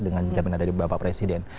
dengan jaminan dari bapak presiden